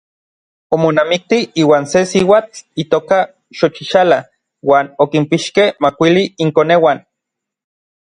Omonamikti iuan se siuatl itoka Xochixala uan okinpixkej makuili inkoneuan.